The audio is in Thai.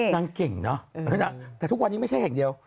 นางเก่งเนอะแต่ทุกวันนี้ไม่ใช่แห่งเดียว